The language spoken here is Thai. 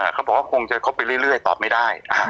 เขาบอกว่าคงจะคบไปเรื่อยตอบไม่ได้